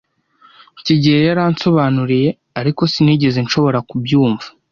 kigeli yaransobanuriye, ariko sinigeze nshobora kubyumva.